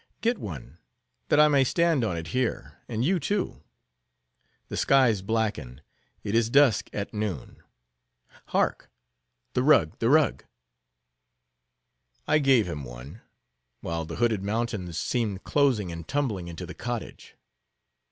Get one, that I may stand on it here, and you, too. The skies blacken—it is dusk at noon. Hark!—the rug, the rug!" I gave him one; while the hooded mountains seemed closing and tumbling into the cottage.